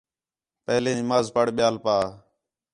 پہلے نماز پڑھ ٻیال پا